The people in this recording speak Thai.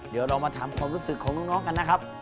เดี๋ยวเรามาถามความรู้สึกของน้องกันนะครับ